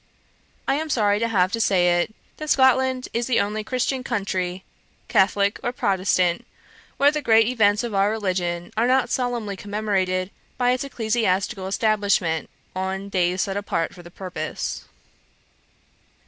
I am sorry to have it to say, that Scotland is the only Christian country, Catholick or Protestant, where the great events of our religion are not solemnly commemorated by its ecclesiastical establishment, on days set apart for the purpose.